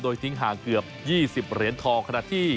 ทิ้งห่างเกือบ๒๐เหรียญทองขณะที่